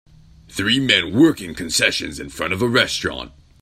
Three men working concessions in front of a restaurant.